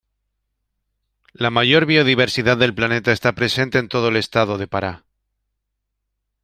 La mayor biodiversidad del planeta está presente en todo el Estado de Pará.